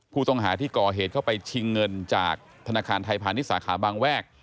ผู้ต้องหาที่ก่อเหตุเข้าไปชิงเงินจากธนาคารไทยพาณิชย์สาขาบางแวก